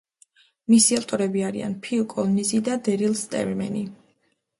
მისი ავტორები არიან ფილ კოლინზი და დერილ სტერმერი.